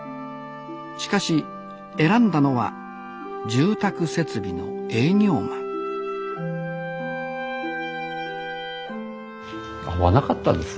しかし選んだのは住宅設備の営業マン合わなかったんですね